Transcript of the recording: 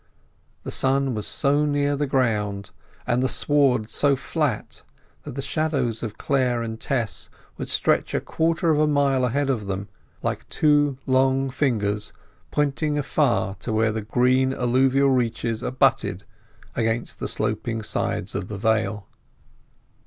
The sun was so near the ground, and the sward so flat, that the shadows of Clare and Tess would stretch a quarter of a mile ahead of them, like two long fingers pointing afar to where the green alluvial reaches abutted against the sloping sides of the vale.